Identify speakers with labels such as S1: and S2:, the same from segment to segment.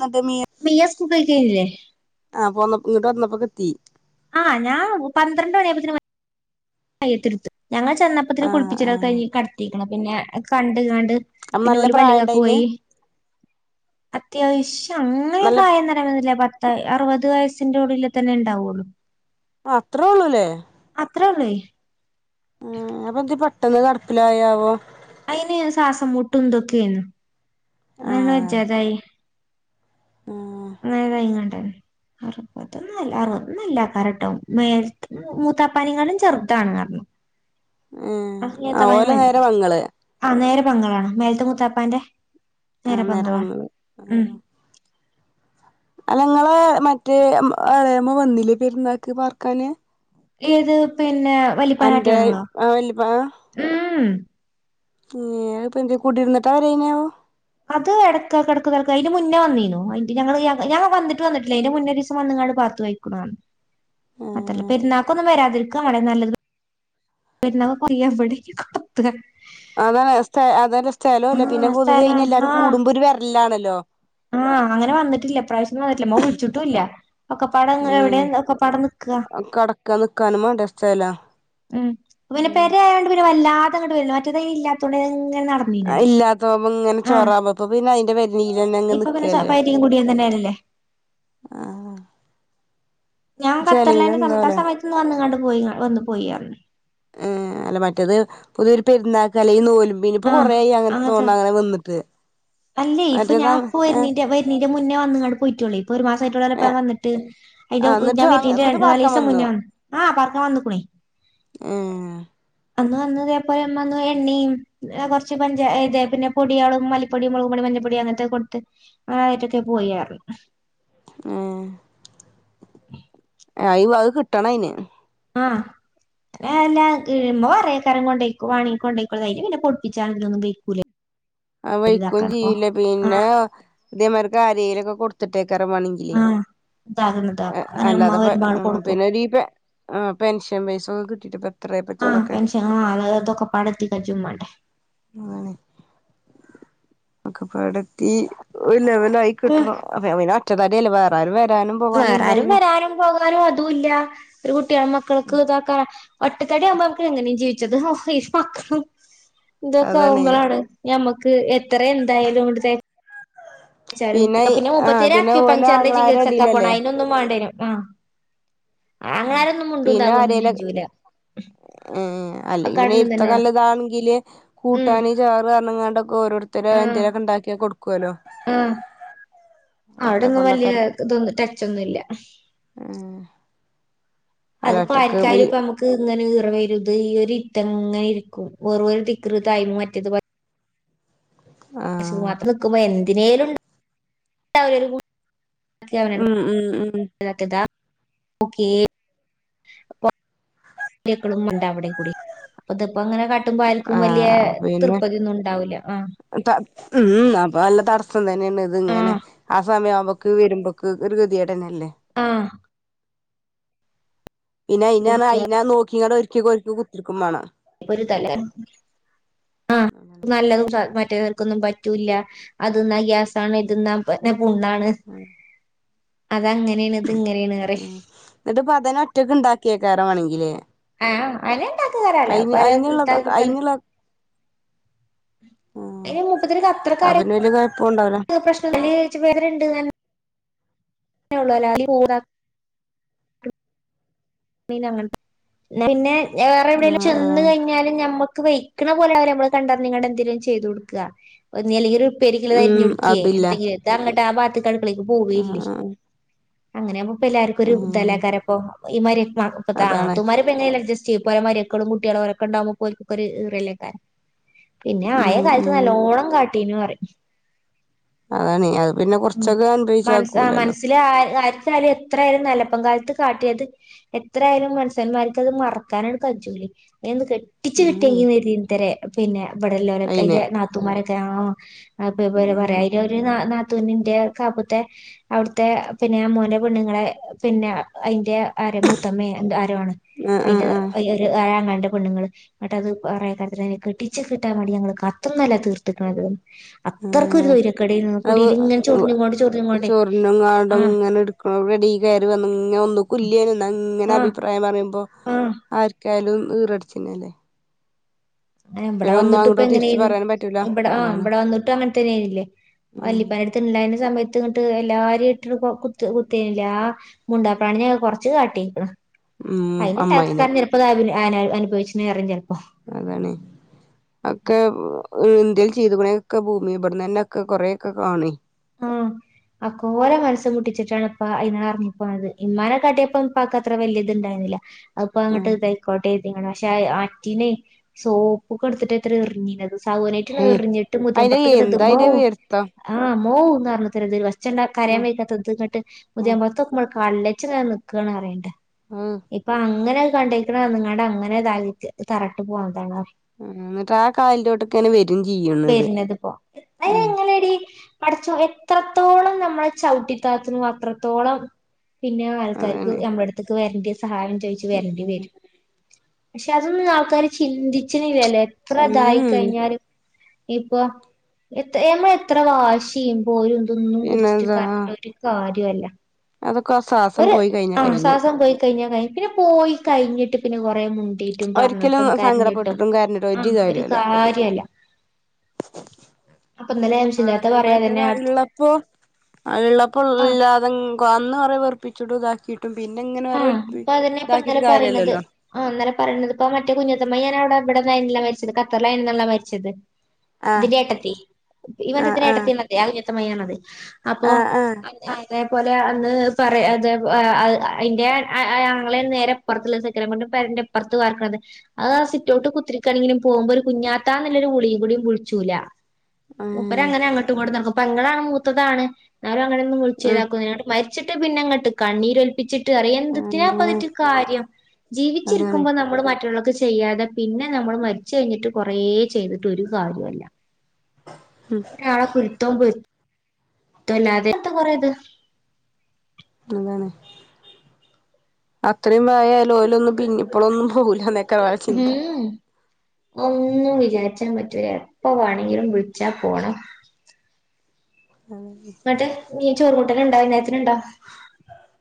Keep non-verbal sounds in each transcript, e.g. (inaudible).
S1: എന്നിട്ട് മീ
S2: മിയസ് കുൂഗൾ കഴില്ലേ
S1: ആ പോന്ന ഇങ്ങട്ട വന്നപ്പോക്കെത്തി
S2: ആഹ് ഞാൻ പന്ത്രണ്ട് മണിയുമ്പത്തിന് ആ എത്തിർത്ത ഞങ്ങള് ചെന്നപ്പത്തിന്
S1: ആ ആ
S2: കുളപ്പിച്ചൊക്കെ കയിഞ്ഞ് കടത്തി എന്നാ പിന്നെ കണ്ട് കണ്ട്
S1: അപ്പൊ
S2: പിന്നെ
S1: നല്ല
S2: ഓല് പള്ളികാക്ക്
S1: പ്രായണ്ടായിന്
S2: പോയി അത്യാവശ്യം അങ്ങനെ
S1: നല്ല
S2: കായംന്നറിന്നില്ല ത്ത് അറുപത് വയസ്സിന്റെ ഉള്ളില് തന്നെയിണ്ടാവുള്ളു
S1: ആഹ് അത്രോ ഒള്ളൂല്ലേ
S2: അത്രേയൊള്ളേ
S1: ആഹ് അപ്പൊ എന്താ പ പെട്ടെന്ന് കെടപ്പിലായാവോ
S2: അയിന് സാസം മുട്ടുംന്തൊക്കെയന്ന്
S1: ആ
S2: മന ജതായി
S1: ആ
S2: അറുപുതൊന്നല്ല അറുന്നൊല്ല കറക്റ്റ് മേൽത്ത് മൂത്താപ്പാനേം കാലും ചെറുതാണ്
S1: ആ ഓലെ
S2: (unintelligible)
S1: നേരെ വങ്ങള്
S2: (unintelligible) ആ നേര പങ്ങളാണ് മേൽത്ത മുത്താപ്പാന്റെ
S1: ആഹ് നേരെ പെങ്ങള് ഞങ്ങളെ മറ്റേ ആഹ് എളേമ്മ വന്നില്ലേ പെരുന്നാക്ക് പാർക്കാന്
S2: ഏത് പി പിന്നെ വല്ല്യ
S1: അന്റെ
S2: പാഗിയാണല്ലോ
S1: ആ
S2: ഉം
S1: ഞാ ഇപ്പ എന്തേ കൂടിരുന്നിട്ടാ വരേനെയാവോ
S2: അത് ഇടക്ക കിടക്ക കിടക്ക അതിന്റെ മുന്നേ വന്നീനു അയിന്റ് ഞങ്ങള് യാ ഞാൻ വന്നിട്ട്ന്നട്ടില്ല അതിന്റെ മുന്നേ ഒരു ദിവസം വന്നങ്ങാട് പാത്തു വഴിക്കണാണ്
S1: ഏ
S2: അത്രല്ല പെരുന്നാക്കൊന്നും വരാ അവിടെ നല്ലത് പെരുന്നാള് (unintelligible) കുത്ത്ക
S1: അതാണ് എസ്റ്റേ അത സ്ഥലമല്ലേ പിന്ന
S2: ആഹ്
S1: പൊതുവെ
S2: സ്ഥലാണ്
S1: അതിനെല്ലാരും
S2: ആഹ്
S1: കൂടുമ്പോ ഒരു വരലാ
S2: ആഹ് അങ്ങനെ വന്നിട്ടില്ല ഇപ്രാവശ്യ ഒന്നും വന്നിട്ടില്ല അമ്മ വിളിച്ചിട്ടുംല്ല ഒക്കെ പടം എവിടെ
S1: ഉം
S2: ഒക്കെ പടം നിക്കുക
S1: ചെല
S2: ഉം പിന്നെ പെര ആയോണ്ട് പിന്നെ വല്ലാ ഇപ്പൊ അങ്ങട് എഴുന്നേറ്റതേ ഇല്ലാത്തോണ്ട്
S1: ഇല്ലാത്തതാകുമ്പോ ഇങ്ങനെ ചോറാമ്പോപ്പ പിന്നെ അതിന്റെ പരിണീൽന്നെ തന്നെ അങ്ങ്
S2: ഇപ്പൊ പിന്നെ
S1: നിക്കല്ലേ
S2: പെരിം കുടിയും തന്നെയല്ലേ
S1: ആഹ
S2: ഞാൻ ഖത്തറിലായിരുന്ന സമയത്ത് ആ സമയത്ത് വന്ന് കണ്ട് പോയീന്ന്
S1: ഏഹ് അല്ല മറ്റേത്
S2: (unintelligible)
S1: പുതിയൊരു പെരുന്നാക്ക് അല്ലേ ഈ നൂല് പിന്നയിപ്പൊ കൊറ ആയി അങ്ങനെ
S2: അങ്ങനത്തെ
S1: തോന്ന അങ്ങനെ വന്നിട്ട്
S2: അല്ലേ ഇപ്പൊ
S1: മറ്റേത്
S2: ഞാൻ
S1: അങ്ങ് ഏഹ്
S2: (unintelligible) ന്റെ മുന്നേ വന്ന് നിങ്ങൾ പോയി യ്ക്കോളിൻ ഇപ്പൊ ഒരു മാസമായിട്ടോള്ളല്ലപ്പ
S1: ഏഹ്
S2: വന്നിട്ട് അതിന്റെ
S1: ആഹ് എന്നിട്ട്
S2: ഞാൻ
S1: അങ്ങ്
S2: വീട്ടീന്റെ
S1: എന്നിട്ട്
S2: രണ്ടു നാല്
S1: പാർക്കാൻ
S2: ദിവസം
S1: വന്നോ
S2: മുന്നേ വന്നു ആ പർക്കാൻ വന്നക്കണേ
S1: ഏഹ്
S2: അന്ന് വന്ന ഇതേപലെ വന്ന് എണ്ണയും കുറച്ച് പഞ്ച ഇത് പിന്നെ പൊടികളും മല പൊടി മുളകുംപൊടി മല്ലിപ്പൊടി അങ്ങനത്തെ കൊടുത്ത് അങ്ങനൊയിട്ടൊക്കെ പോയിരുന്നു
S1: ഉം
S2: (inaudible) (unintelligible)
S1: അയ്യോ അത് കിട്ടണം അയിന്ന്
S2: ആഹ എല്ല കഴുമ്പോ പറ കരം കൊണ്ടക്കും വാണി കൊണ്ടേക്കുള്ളത പിന്നെ പൊപ്പിച്ചാണലൊന്നും കഴിക്കൂലേ
S1: ആ വഴക്കയും ചെയ്തില്ല
S2: ആഹ്
S1: പിന്നെ അതേമാർക്ക് കര കൊടുത്തിട്ടേ
S2: ആഹ് ഇതാകുന്നത് അപ്പ അങ്ങനെ ഉമ്മ വരുമ്പോ ആള് കൊടുക്കും
S1: ല്ലാന്നെെ (unintelligible) ഉം കിട്ടിട്ട
S2: ആ പെൻഷനും അ അതൊക്കെ പടത്തി കച്ചമാട്ടെ
S1: ഒക്കെ പടത്തി (unintelligible) ആയി കിട്ടണം അവന (unintelligible) കടയിൽ വേറെയാരുവേ
S2: വേറെയാരും വരാനും പോകാനും അതും ഇല്ല ഒരു കുട്ടിയാകുമ്പോ കണക്കാതാക്കേ (unintelligible) ഒട്ടക്കട ആവുമ്പോ അവക്ക് എങ്ങനെയും ജീവിച്ചത് ഇരു മക്കളും ഇതൊക്കെ
S1: അതാണ്
S2: ഒുമ്പലാണ് ഞമ്മക്ക ക്ക് എത്ര എന്തായാലും ഒടുത്തേ പിന്നെ
S1: ആഹ്
S2: മുപ്പത്തേര്
S1: പിന്നെ ഓലെ
S2: ആക്വപ്ച്ചർ
S1: ആങ്ങളാരെ
S2: ചികിത്സക്ക് പോണേ
S1: അടിയിലല്ലേ
S2: അതിനൊന്നും പോകേണ്ടിവരും ആ
S1: ആഹ്
S2: അങ്ങനാരൊന്നും
S1: പിന്നെ
S2: മുണ്ടിലഒന്നും
S1: ആരേലും
S2: ജേജൂല
S1: അല്ല ഇവനെ എരുത്ത നല്ലതാണെങ്കില്
S2: ഉം
S1: കൂട്ടാന് ചാറ് ഇന്നെങ്ങാണ്ടോ ഓരോരുത്തരെ
S2: ആഹ്
S1: എന്തെങ്കിലൊക്കെ ഉണ്ടാക്കി കൊടുക്കുവല്ലോ
S2: ആഹ്
S1: മറ്റേ
S2: അവിടൊന്നും വല്യ
S1: പൊള്ളക്കർ
S2: ഇതൊന്നും ടച്ചൊന്നുല്ല
S1: ഉം
S2: അതിപ്പോ ആർക്കാരിയാലും ഇപ്പ നമുക്ക് ഇങ്ങനെ വയറ വരുത് ഈ ഒരു ഇറ്റംങ്ങനെ ഇരിക്കും വേറരു തിക്ൃ തായ്മ മറ്റിയത് (unintelligible)
S1: ആഹ്
S2: മാത്രം നിക്കുമ്പോ എ ഇതിനേലും (unintelligible) ണ്ട്ര
S1: ഉം ഉം ഉം
S2: ഓക്കേ അപ്പ (unintelligible) അവിടെ കൂടി അപ്പ ഇപ്പ അങ്ങനെ ഇപ്പ ആർക്കും വലിയ
S1: ആഹ് പിന്നെ
S2: തൃപതിയൊന്നും ഉണ്ടാവില്ല ആ
S1: ത ഉം അപ്പൊ നല്ല തടസ ഉം തന്നെയാണ് ഇത്
S2: ആ
S1: ഇങ്ങനെ ആ സമയാവുമ്പ വീരമ്പോക്ക് (unintelligible) ട്ടനല്ലേ
S2: ആ
S1: പിന്നെ ഇതിനേതാ
S2: കൊടുക്കുക
S1: ഇല്ലാന്ന് നോക്കിങ്ങടെ ക്ക്‌ കോഴിക്കും കുത്തിരിക്കും വേണം
S2: ഒരു തല ആ
S1: ഉം
S2: നല്ലതും (unintelligible) നക്കൊന്നും പറ്റൂല്ല അത് ന്നാ ഗ്യാസാണ് ഇത് ന്നാ പ പുണ്ണാണ് അതങ്ങനെയാണ് ഇത് ഇങ്ങനെയാണ്
S1: ഉ
S2: പറയും
S1: എന്നിട്ട പതന ഒറ്റക്ക ഇണ്ടാക്കിയ കയറ വാണെങ്കിലെ
S2: ആ അതിന് ഇണ്ടാക്കി തരാല്ലോ
S1: അയിനുള്ള
S2: (unintelligible)
S1: അയിനുള്ള ആഹ് അത് പിന്നെ വല്യ കൊഴപ്പുണ്ടാവൂല
S2: (unintelligible) പ്രശ്നത്തി പേരുണ്ട് അങ്ങനുള്ളല്ലേ അതില് (unintelligible) പിന്നെ അങ്ങനെ ത പിന്നെ വേറെ എവിടേലും
S1: ആഹ്
S2: ചെന്ന്
S1: ആഹ്
S2: കഴിഞ്ഞാലും ഞമ്മക്ക് പയി ക്കണ പോലെ അവരെ മ്മള് കണ്ട നിങ്ങട എന്തങ്കലും ചെയ്തു കൊടുക്കുക ഒന്നുല്ലെങ്കില്
S1: ഉം
S2: പെരിഞ്ഞില്തരിഞ്ഞുടുക്കയ്
S1: അതില്ല
S2: (unintelligible) ലാബാട്ട് കടുക്കളേക്ക് പോവയില്ലേ
S1: ആഹ് ആഹ്
S2: അങ്ങനെയാ ഇപ്പ എല്ലാർക്കും ഒരു
S1: ഉം
S2: ദലാക്കാരപ്പൊ ഈമാരെ ആ തു
S1: അതാണ്
S2: താത്തുമാരെ പ്പ എങ്ങനേലും അഡ്ജ ചേ പോലെ മരയക്കളും കുട്ടികളും ഒക്കെണ്ടാവുമ്പോ പോലക്കെ ഒരു റലേക്കാരൻ പിന്നെ ആയ
S1: ഉം
S2: കാലത്ത്
S1: ഉം
S2: നല്ലോണം കാട്ടി തിന് പറ
S1: അതണെ അ
S2: ഉം മൻസ് ആ മനസ്സില് ആര് ആരിച്ചാല് എത്രയായിരുന്നെലപ്പം കാലത്ത് കാട്ടിയത് എത്രയായാലും മനുസ്യന്മാർക്ക് അത് മറക്കാണപറ്റൂല്ലേ എന്ന് ഒട്ടിച്ച്
S1: ഉം
S2: വിട്ടേക്കുന്ന (unintelligible) പിന്നെ വെടലോര
S1: അയിനെ
S2: അയിന്റെ നാത്തുമാരൊ കേണോ അപ്പൊ ഇപോലെ പറയ്
S1: ആഹ്
S2: അയില് ഒരു നാ ന ത്തൂനിന്റെ കാപ്പുത്തെ അവിടുത്തെ പിന്നെ മോനെ പെണ്ണുങ്ങളെ പിന്നെ അയിന്റെ ആരെ മൂത്തമ്മേ എന്ത്‌ ആരാണ്
S1: ആഹ്
S2: അയിന്റെ
S1: ആഹ്
S2: (unintelligible) പെണ്ണുങ്ങള് അന്നിട്ട് അത് (unintelligible) കെട്ടിച്ച കെട്ടാൻ വേണ്ടി ഞങ്ങൾ കത്തൊന്നുംല്ല തീർത്തക്കണത് അത്രക്കൊരു സ്വയ്രിക്കേട്
S1: അവ് വ ചൊർണ്ങ്ങാടും
S2: ആഹ്
S1: ഇങ്ങനെടുക്കണോ റെഡി കേറി വന്ന് ഇങ്ങഒന്ന് കുല്യനൊന്നങ്ങനെ
S2: ആഹ്
S1: അഭിപ്രായം പറയും
S2: ആഹ്
S1: ആർക്കാലും ഈറടിച്ചിനില്ലേ
S2: എഹ് ഇവിടെ വന്നിട്ട് ഇപ്പ
S1: തിരിച്ച്
S2: എങ്ങനെയ്ന്നു
S1: പറയാനും പറ്റൂല
S2: ഇവിടെ ആഹ്
S1: അതാണ്
S2: ഇവിടെ വന്നിട്ടും അങ്ങൻതന്നെ ആയില്ലേ
S1: ഉം
S2: വല്ല്യുപ്പായ്ട്ത്ത് ഇണ്ടാര്ന്ന സമയത്ത് ത് ട്ട് എല്ലാര്ട്ട് കൊ കുത് കുത്തണില്ല്യേ ആഹ് മുണ്ടാപാണിനെ കൊറച്ച് കാട്ടിയേക്കണ്
S1: ഉം
S2: അയിന്
S1: അമ്മായിനെ
S2: (unintelligible) അന അനഭവിച്ച്നേറും ചെലപ്പോ
S1: അതാണ് ഒക്കെ ന്ത്യൽ ചെയ്തേക്കണെക്കെ ഭൂമി ഇബിടെന്നന്നെക്കെ കൊറേക്കെ കാണി
S2: ആഹ് അകോര മനസ്സം മുട്ടിച്ചിട്ടാണ് ഇപ്പ അതിനേറെപ്പായത് ഇമാനെക്കാട്ടിയപ്പ ഇപ്പാക്ക് അത്ര വലിയ ഇത്ണ്ടായിരുന്നില്ല അപ്പൊ അങ്ങോട്ട്
S1: ആഹ്
S2: തൈക്കോട്ടെ പക്ഷെ ആറ്റിനെ സോപ്പ്ക്കെ എടുത്തിട്ട് ഇത്ര എറങ്ങീത് ചൗവ്ന്നേറ്റ്
S1: ഹേയ്
S2: എറിഞ്ഞിട്ട്
S1: അയിന്റെ
S2: മുതിയംപുറത്തേക്ക് ദേ
S1: എന്താ
S2: ദിതുമ്മോ
S1: അയിന്റെ പിടുത്തം
S2: ആ ഓഹ് ന്നർനതരജേ ചെന്നാ കരയം വെയ്ക്കത്ത്ത് ന്നട്ട്
S1: ആഹ്
S2: മുദ്യം (unintelligible) കള്ളച്ച്നേ നിക്കാണ് അറിയണ്ടെ
S1: ആഹ്
S2: ഇപ്പ അങ്ങനെ കണ്ടേക്കണ നിങ്ങടെ അങ്ങനെതായിട്ട് തറട്ട് പോണതാണ്
S1: എന്നിട്ട് ആ കാലിലോട്ടൊക്കെയാണ് വരും ചെയ്യണത് ഉം
S2: പഠിച്ചു എത്രത്തോളം നമ്മൾ ചവിട്ടിതാത്തുന്നു അത്രത്തോളം പിന്നെ ആൾക്കാർക്ക്
S1: അതാണ്
S2: ഞമ്മടടുത്ത് വരണ്ടി സഹായം ചോയ്ച്ചു
S1: ഉം
S2: വരേണ്ടി വരും പക്ഷെ അതൊന്നും ആൾക്കാര് ചിന്തിച്ചണില്ലല്ലേ എത്രതായി
S1: ഉം
S2: കഴിഞ്ഞാലും ഇപ്പൊ എന്ന എ എത്ര വാശി ചെയ്യും പോയി (unintelligible) തിന്നും കുടിച്ചിട്ട്
S1: പിന്നെന്താ
S2: കരഞ്ഞിട്ടുംഒരു കാര്യം (unintelligible) അല്ല
S1: അതൊക്കെ ആ ശ്വാസം പോയി കയിഞ്ഞ കയിഞ്ഞു
S2: ശ്വാസം പോയി കഴിഞ്ഞാ കഴിയും പിന്നെ പോയി കയിഞ്ഞിട്ട് പിന്നെ കൊറേ മു മിണ്ടിട്ടും
S1: ഒരിക്കലും
S2: പറഞ്ഞിട്ടും കരഞ്ഞിട്ടും
S1: സങ്കടപ്പെട്ടിട്ടും കരഞ്ഞിട്ടും
S2: ആ ഒരു കാര്യല്ല അപ്പൊ ഇന്നലെ ആവശ്യല്ലാത്ത പറ
S1: മറ്റേത്ള്ളപ്പോ അയിള്പ്പോ
S2: ആ
S1: ഇല്ലാതെ അന്ന് കുറേ വെറുപ്പി പ്പിച്ചുടു ഇതാക്കി
S2: ആഹ് അപ്പൊ അതന്നെ ഇപ്പ ഇന്നലെ പറയണത്
S1: കാര്യല്ലല്ലോ
S2: ആ ഇന്നലെ പറയണത് ഇപ്പ മറ്റേ (unintelligible) രാവടെ അവിടന്നരിന്നില്ല മരിച്ചത് കത്തറിലാരുന്നല്ലോ മരിച്ചത്
S1: ആഹ്
S2: ദിനയാട്ടത്തി
S1: ആഹ്
S2: ഈബദ്ധത്തിന്
S1: ആഹ്
S2: ഏട്ടത്തി എന്നല്ലേ അ ഉത്തമയണത് അപ്പൊ
S1: ആഹ് ആഹ്
S2: (unintelligible) അതേപോലെ അന്ന് പറ അതേ ആഹ് അയിന്റെ ആങ്ങളെ അന്നേരം അപ്പൊറത്തുള്ള സെക്കനെ കൊണ്ട് പെരന്റെറെപ്പുറത്ത് വാർക്കണത് അത് ആ സിറ്റോട്ടിൽ കുത്തിരിക്കാണെങ്കിലും പോകുമ്പോ ഒരു കുഞ്ഞാത്താന്നുള്ളൊരു വിളിയും കൂടിയും വിളിച്ചൂല
S1: ഉം
S2: മൂപ്പരാങ്ങനെ അങ്ങട്ടും ഇങ്ങട്ടും നടക്കും പെങ്ങളാണ് മൂത്തതാണ് അവര് അങ്ങനെ ഒന്ന്
S1: ഉം
S2: വിളിച്ച്താക്കൂല എന്നിട്ട് മരി ച്ചിട്ട് പിന്നെങ്ങട്ട് കണ്ണീര് ഒലി പ്പിച്ചി ട്ട് അറിയാ എന്തത്തിനാ
S1: ഉം
S2: പ്പതിൻ്റെ കാര്യം
S1: അതാണ്
S2: ജീവിച്ചിരിക്കുമ്പോ നമ്മള് മറ്റു ചെയ്യാതെ പിന്നെ നമ്മള് മരിച്ച കഴിഞ്ഞിട്ട് കൊറേ ചെയ്തിട്ട് ഒരു കാര്യവൊല്ല അവര് ആളപ്പുഴ തൊമ്പ് (unintelligible) അതെന്താ കൊറയത്ത്
S1: അതാണ് അത്രയും വായ ലോലൊന്നും പിന്നെ ഇപ്പോഴൊന്നും പോവില്ലന്നക്കാ അവര ചിന്ത
S2: ഉം ഒന്നും വിചാരിച്ചാൻ പറ്റൂല എപ്പ വേണെങ്കിലും വിളിച്ചാ പോണം ന്നിട്ട് മിന് ചോറ് കൂട്ടനണ്ടോ വൈന്നെരത്തിനുണ്ടോ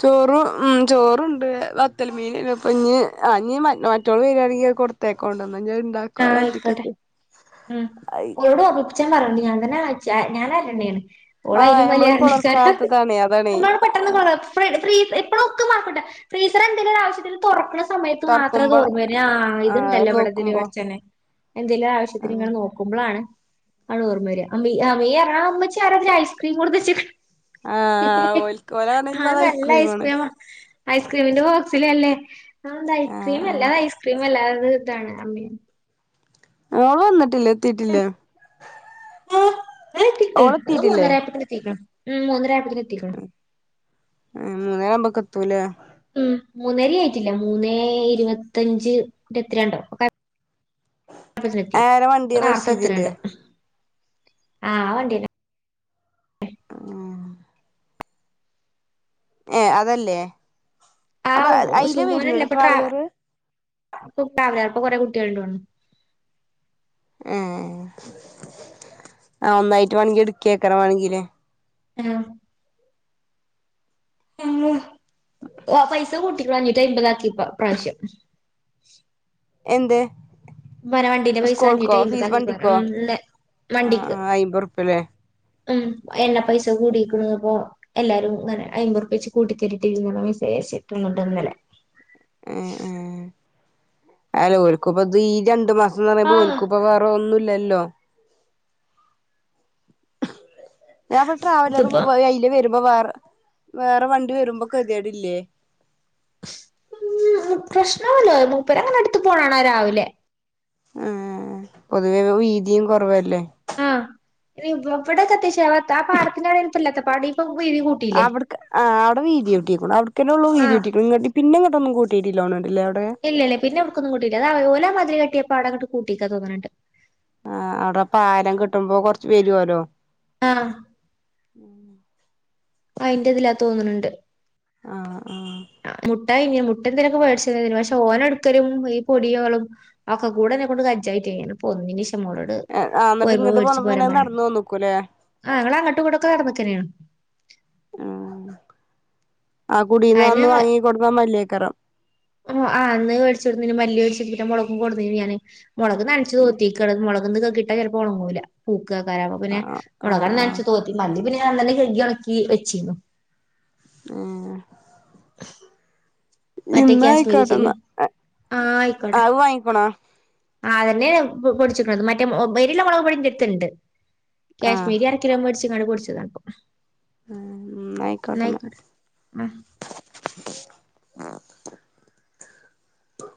S1: ചോറ് ഉം ചോറണ്ട് വത്തല് മീൻ ഇപ്പ ഇഞ്ഞ് ആഞ് മറ്റള് വരിയാണങ്കി കൊടുത്തേക്കോണ്ട ഞാൻ ഇണ്ടാക്കു
S2: ആഹ് ആയിക്കോട്ടെ
S1: അന്തിക്കൊക്കെ
S2: ഞാൻ പറയുണ്ട് (unintelligible) ഞാൻ തന്നെ (unintelligible) ആണ് ഓള
S1: ആ
S2: അതിനും
S1: നമ്മള്
S2: (unintelligible) ക്കാര
S1: കൊളർക്കാത്തതാണേ അതാണേ
S2: നമ്മളോട് പെട്ടെന്ന് ഫ്രീ എപ്പളും ഒക്കെ മാറകട്ടേ ഫ്രീസറെ എന്തേലും ഒരു ആവശ്യത്തിന് തൊറക്കണ സമയത്ത് മാത്രമേ അത്
S1: തൊറക്കുമ്പോ
S2: ഓർമ്മരു ആ ഇത് ഇണ്ടല്ലോ ഇവിട ഇതില് എന്തെങ്കിലും ആവശ്യത്തിന്
S1: അതെ
S2: നിങ്ങൾ നോക്കുമ്പോളാണ് ആണ് ഓർമ വരിക (unintelligible) അമ്മച്ചാരതി ഐസ്ക്രീം കൊടുത്ത് വച്ചേക്ക്
S1: ആ ഓൽക്ക് ഓലാണേല്
S2: ആഹ്
S1: ഇപ്പത്
S2: നല്ല
S1: ഐസ്ക്രീമാണ്
S2: ഐസ്ക്രീം ഐസ്ക്രീമിന്റെ ബോക്സില അല്ലേ അതെന്താ അത്
S1: ആ
S2: ഐസ്ക്രീം
S1: ആ
S2: അല്ല ഐസ്ക്രീമല്ല അത് താണ് അമ്മ
S1: മോള് വന്നിട്ടില്ലേ എത്തിയിട്ടില്ല
S2: മൂന്നര ആയപ്പോൾ എത്തിക്കണ് ഉം മൂന്നര
S1: ഉ മൂന്ന നേരം ആമ്പ എത്തൂലേ
S2: ഉം മൂന്നര ആയിട്ടില്ല മൂന്നേ ഇരുപത്തഞ്ച് ഇരുപത്തിരണ്ടോ ഒക്കെ ത്തി
S1: ആരെ
S2: ഇപ്പൊ
S1: വണ്ടി
S2: നേരത്തെ
S1: റഷീദിന്റെ
S2: എത്തലുണ്ട് ആഹ് വണ്ടിയന്നെ
S1: ആഹ് ഏ അതല്ലേ
S2: ആ
S1: അപ്പൊ അയില
S2: സുമോനല്ല
S1: വെരുന്നണ്ടോ
S2: ഇപ്പൊ ട്രാവ
S1: ട്രാവലറ്
S2: ട്രാവലർ കുറെ കുട്ടികൾ ഉണ്ട് തോന്നുന്നു
S1: ആ ഒന്നായിട്ട് വേണെങ്കി എടുക്കിയക്കണ വേണെങ്കല്ലേ
S2: മ് ആഹ് ആ പൈസ കൂട്ടിന് അഞ്ഞുറ്റി അമ്പത് ആക്കി ഇപ്രാവശ്യം
S1: എന്തെ
S2: വര വണ്ടീന്റെ പൈസ അഞ്ഞൂറ്റൈമ്പതാ കഴിയുമ്പോ
S1: വണ്ടിക്കോ
S2: താക്കണംന്ന
S1: ആ
S2: വണ്ടിക്ക്
S1: ആ അയ്മ്പറുപ്പ്യല്ലേ
S2: ഉം എണ്ണ പൈസ കൂടീക്ക്ണ് അപ്പോ എല്ലാരും അങ്ങനെ അയ്മ്പത്റുപെച്ച് കൂട്ടി തരിട്ടിന്ന് മെസ്സേജ് അയച്ചിട്ടുണ്ട് ഇന്നലെ
S1: അലരുക്കും ഇപ്പത് ഈ രണ്ടു മാസം
S2: ആഹ്
S1: പറുമ്പോക്ക ഇപ്പ വേറെ ഒന്നുമില്ല ലല്ലോ ഞാൻ അപ്പൊ ട്രാവലർ
S2: ഇതിപ്പോ
S1: അയിയില് വരുമ്പോ വേറെ വേറെ വണ്ടി വരുമ്പോ കതിയടല്ലേ
S2: ഉ പ്രശ്നവല്ലോ മൂപ്പര് അങ്ങനെ അടുത്ത് പോണാണോ രാവിലെ
S1: ആ പൊതുവേ വീതിയും കുറവല്ലേ
S2: ആഹ് ഇവിടെക്കത്യാശ ആ പാടത്തിന്റെനല്ലാത്ത പാടി ഇപ്പ
S1: അവിട്ക് ആ അവിടെ വീതിയ (unintelligible) (unintelligible) പിന്നെങ്ങട്ടൊന്നും കൂട്ട് രീതിലോണ്
S2: ഇല്ല ഇല്ല പിന്നെവിട്ക്കൊന്നും കൂട്ടില്ല അത ഓലതിരി കട്ടിയ പാടെങ്ങട്ട് കൂട്ടിക്കാ തോന്ന്ണ് ണ്ട്
S1: ആ അടെ പാലം കെട്ടുമ്പോ കൊറച്ച് വരുവല്ലോ
S2: ആ
S1: ഉം
S2: ആ അയ്ന്റെത് ലാ തോന്ന്ണ് ണ്ട്
S1: ആ ആ
S2: (unintelligible) മുട്ട ഇങ്ങനെ മുട്ട എന്തെലൊക്കെ പേടിച്ച പക്ഷെ ഓനടുക്കരും ഈ പൊടികളും ഒക്കെ കൂടെട എന്നെ കൊണ്ട് ക്ജായിട്ട് ഇ പൊന്നി മോളോട്
S1: ആ എന്നിട്ട്
S2: പോര്മ്പം
S1: ഇങ്ങട്ട്
S2: വേട്ച്ച്
S1: പോന്നപ്പോ പിന്നെ
S2: പോരാൻ
S1: അത്
S2: പറയാനാ
S1: നടന്നു വന്നക്കൂല്ലേ
S2: ആ ഞങ്ങഅങ്ങട്ടുംങ്ങട്ടൊക്കെ നടന്നക്കന്നെയാണ്
S1: ആ കുടീന്ന് അന്ന് വാങ്ങി കൊട്ന്ന മലെ ക്കറം
S2: ഓ ആ അന്ന് മേടിച്ച് ച്ചൊട്ന്നൊര് മല്ലി കുയിച്ചിട്ട് ന്നെ മൊളകും കൊട്ന്നിന് ഞാന് മൊളക് നനച്ച് തോത്തിക്കാണ് മൊള ന്ന് കെകിട്ട ചെലപ്പ ഒണങ്ങൂല ക്കാകാര
S1: ആ
S2: പിന്നെ
S1: ആ
S2: മൊളകാണ്ട്
S1: ആ
S2: നനച്ച് തോത്തി മതി പിന്നെ ഞാൻ തന്നെ കെകി ഒണ്ക്കി വെച്ചീന്നു
S1: ഏ
S2: ഉ
S1: ഇന്ന ആയിക്കോട്ടന്നാ അ അത് വാങ്ങിക്ക്ണോ
S2: ആ തന്നെ പൊടിച്ചിക്ക്ണത് മറ്റേ എരില്ലെ മുളക് പൊടിന്റെട്ത്ത്ണ്ട്
S1: ആ
S2: കാശ്മീരി അരക്കിലോം വേട്ച് ങ്ങാണ്ട് പൊടിച്ചതാണ്പ്പം
S1: ന്നായിക്കോട്ടെന്നാ
S2: ന്നയ്ക്കോട്ടെ ആ
S1: (unintelligible) ത